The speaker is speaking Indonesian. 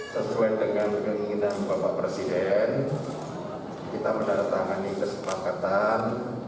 sesuai dengan keinginan bapak presiden kita menandatangani kesepakatan